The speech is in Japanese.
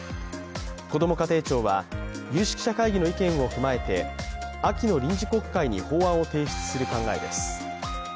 こども家庭庁は有識者会議の意見を踏まえて秋の臨時国会に法案を提出する考えです。